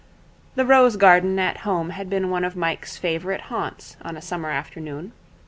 The rose garden at home had been one of Mike's favourite haunts on a summer afternoon.